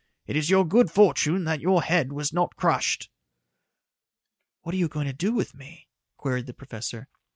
"It is your good fortune that your head was not crushed." "What are you going to do with me?" queried the professor.